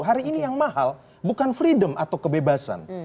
hari ini yang mahal bukan freedom atau kebebasan